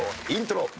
イントロ。